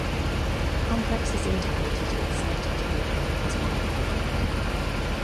Complex is indicated at site of developer as one of project.